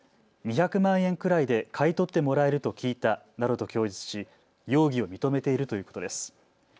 ２００万円くらいで買い取ってもらえると聞いたなどと供述し容疑を認めているということです。